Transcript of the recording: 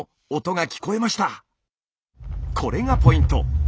これがポイント。